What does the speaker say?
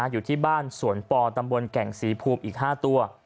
อยู่ที่บ้านสวนปอตำบลแก่งศรีภูมิอีก๕ตัว